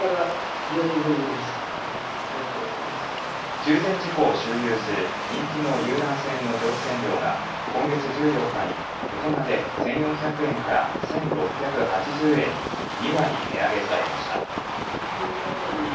中禅寺湖を周遊する人気の遊覧船の乗船料が今月１４日に大人で１４００円から１６８０円に２割、値上げされました。